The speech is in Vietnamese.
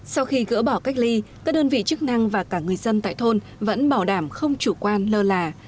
sau khi gỡ bỏ cách ly các đơn vị chức năng và cả người dân tại thôn vẫn bảo đảm không chủ quan lơ là